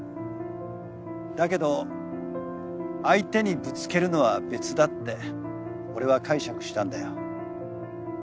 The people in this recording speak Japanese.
だけど相手にぶつけるのは別だって俺は解釈したんだよ。